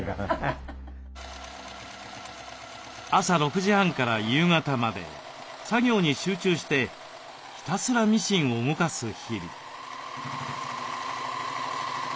朝６時半から夕方まで作業に集中してひたすらミシンを動かす日々。